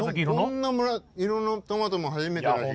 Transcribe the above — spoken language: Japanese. こんな色のトマトも初めてだし。